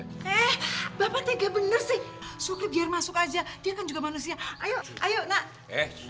oke bapak tega bener sih suka biar masuk aja dia kan juga manusia ayo ayo nak